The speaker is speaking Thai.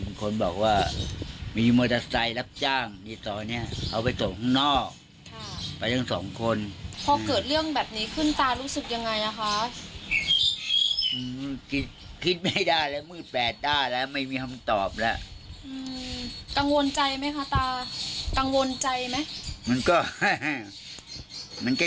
นะครับว่าไม่มีคำตอบแล้วตังวนใจมั้ยค่ะตาตังวนใจไหมมันก็มันก็